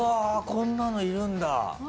こんなのいるんだ。